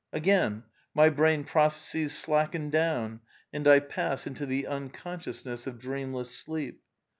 Again, my brain processes slacken down, and I pass into the unconsciousness of dreamless sleep.